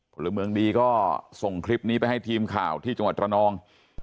พลเมืองดีก็ส่งคลิปนี้ไปให้ทีมข่าวที่จังหวัดตระนอง